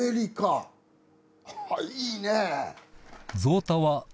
あっいいね！